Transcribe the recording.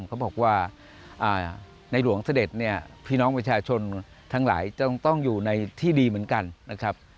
เขาบอกว่าในหลวงเสด็จเนี่ยพี่น้องประชาชนทั้งหลายจะต้องอยู่ในที่ดีเหมือนกันนะครับ